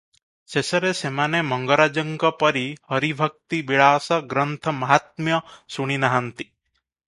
ଶେଷରେ ସେମାନେ ମଙ୍ଗରାଜଙ୍କ ପରି ହରିଭକ୍ତି - ବିଳାସ ଗ୍ରନ୍ଥ ମାହାତ୍ମ୍ୟ ଶୁଣି ନାହାନ୍ତି ।